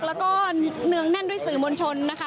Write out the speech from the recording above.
แล้วก็เนืองแน่นด้วยสื่อมวลชนนะคะ